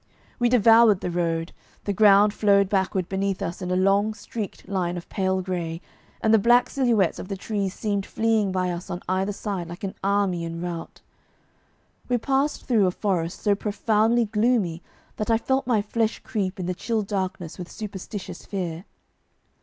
We devoured the road. The ground flowed backward beneath us in a long streaked line of pale gray, and the black silhouettes of the trees seemed fleeing by us on either side like an army in rout. We passed through a forest so profoundly gloomy that I felt my flesh creep in the chill darkness with superstitious fear.